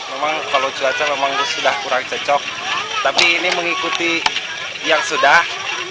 memang kalau cuaca memang sudah kurang cocok tapi ini mengikuti yang sudah